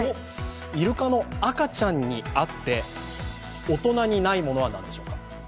イルカの赤ちゃんにあって大人にないものは何でしょうか。